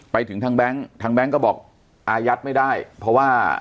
ไปถึงทางแบงค์ทางแบงค์ก็บอกอายัดไม่ได้เพราะว่า